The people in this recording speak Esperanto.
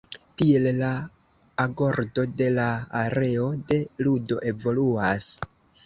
Tiel la agordo de la areo de ludo evoluas.